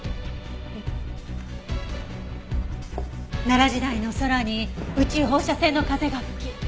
奈良時代の空に宇宙放射線の風が吹き。